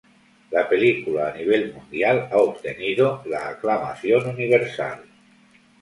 La película a nivel mundial ha obtenido "la aclamación universal".